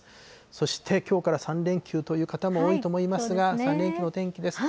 そして、きょうから３連休という方も多いと思いますが、３連休の天気です。